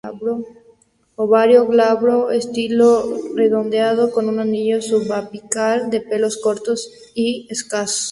Ovario glabro; estilo redondeado, con un anillo subapical de pelos cortos y escasos.